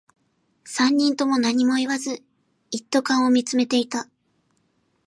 三人とも何も言わず、一斗缶を見つめていた